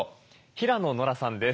平野ノラさんです。